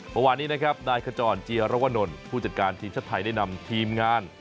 เมื่อวานนี้นะครับนายขจรเจียรวนลผู้จัดการทีมชาติไทยได้นำทีมงาน